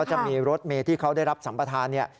จะมีรถเมย์ที่เขาได้รับสัมปทานเนี่ย